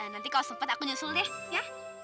nanti kalau sempat aku nyusul deh ya